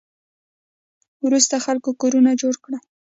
وروسته خلکو کورونه جوړ کړل